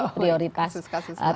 maling atau kasus kasus lain